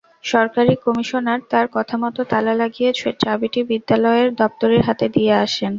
সহকারী কমিশনার তাঁর কথামতো তালা লাগিয়ে চাবিটি বিদ্যালয়ের দপ্তরির হাতে দিয়ে আসেন।